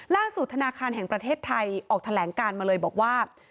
ธนาคารแห่งประเทศไทยออกแถลงการมาเลยบอกว่า